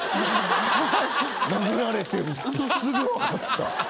殴られてるってすぐわかった。